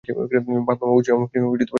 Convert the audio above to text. ভাবলাম, ও বুঝি আমাকে সাহায্য করতে পারবে।